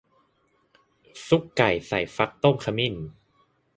ซุปไก่ใส่ฟักต้มขมิ้น